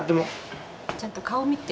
ちゃんと顔見て。